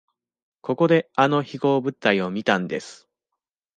ここであの飛行物体を見たんです。